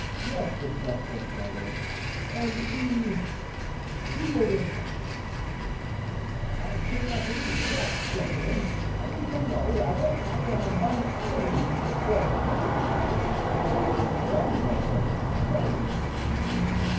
"Rest yourself first, my lord, and we—we will reflect." "I do not need rest, gentlemen; I need to know whether I am among enemies or friends." "Friends, my lord! friends!"